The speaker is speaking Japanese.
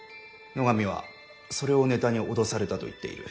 野上はそれをネタに脅されたと言っている。